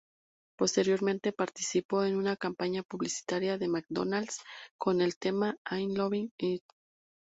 Posteriormente, participó en una campaña publicitaria de McDonald's con el tema "I'm loving it".